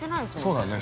◆そうだね。